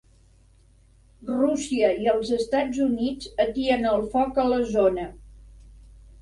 Rússia i els Estats Units atien el foc a la zona